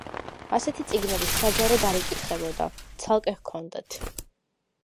ასეთი წიგნები საჯაროდ არ იკითხებოდა, ცალკე ჰქონდათ.